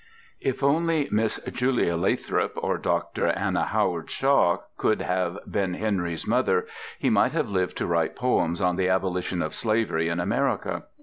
If only Miss Julia Lathrop or Dr. Anna Howard Shaw could have been Henry's mother, he might have lived to write poems on the abolition of slavery in America.